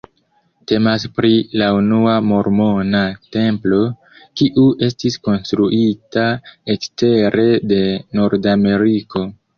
Temas pri la unua mormona templo, kiu estis konstruita ekstere de Nordameriko.